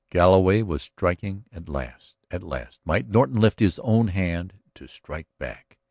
Galloway was striking at last; at last might Norton lift his own hand to strike back.